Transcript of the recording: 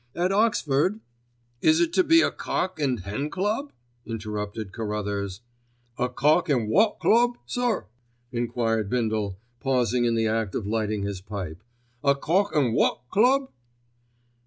At Oxford——" "Is it to be a cock and hen club?" interrupted Carruthers. "A cock an' wot club, sir?" enquired Bindle, pausing in the act of lighting his pipe. "A cock an' wot club?"